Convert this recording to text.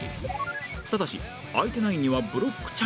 ただし相手ナインにはブロックチャンスが